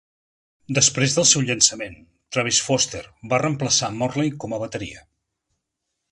Després del seu llançament, Travis Foster va reemplaçar Morley com a bateria.